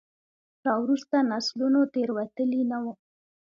راوروسته نسلونو تېروتلي نه وو.